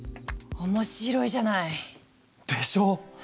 面白いじゃない！でしょ！